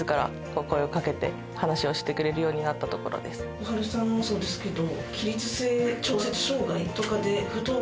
こはるさんもそうですけど。